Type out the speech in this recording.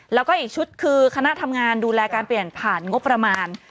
แล้วก็อีกชุดคือคณะทำงานดูแลการเปลี่ยนผ่านงบประมาณ